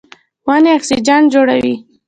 ونې اکسیجن جوړوي.